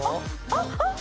あっあっ